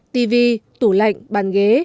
tv tủ lạnh bàn ghế